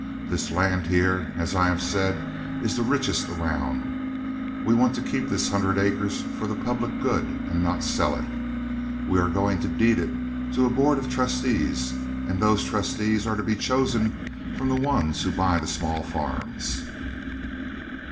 This land here, as I have said, is the richest around. We want to keep this hundred acres for the public good, and not sell it. We are going to deed it to a board of trustees, and those trustees are to be chosen from the ones who buy the small farms."